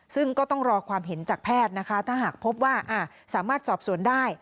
ซึ่งก็ต้องรอความเห็นจากแพทย์นะคะถ้าหากพบว่าสามารถสอบสวนได้